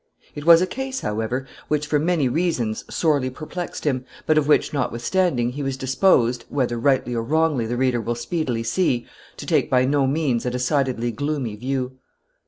It was a case, however, which for many reasons sorely perplexed him, but of which, notwithstanding, he was disposed, whether rightly or wrongly the reader will speedily see, to take by no means a decidedly gloomy view.